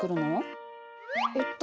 えっと